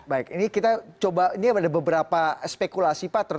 baik ini kita coba ini ada beberapa spekulasi pak